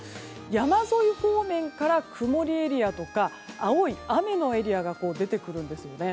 山沿い方面から曇りエリアとか青い雨のエリアが出てくるんですよね。